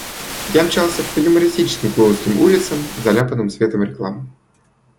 Я мчался по юмористическим, клоунским улицам, заляпанным светом реклам.